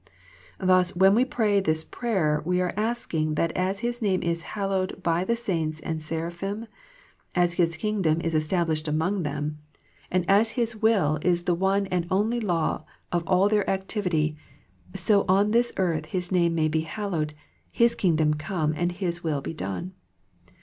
Thus when we pray this prayer we are asking that as His name is hallowed by the saints and seraphim, as His Kingdom is established among them, and THE PLANE OF PEAYEE 75 as His will is the one and only law of all their ac tivity, so on this earth His name may be hallowed, His Kingdom come, and His will be done.